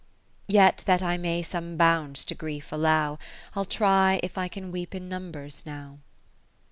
Yet that I may some bounds to Grief allow, I'll try if I can weep in numbers now.